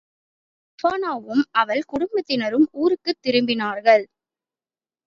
ஸஃப்பானாவும், அவள் குடும்பத்தினரும் ஊருக்குத் திரும்பினார்கள்.